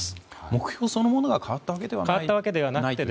目標そのものが変わったわけではないと？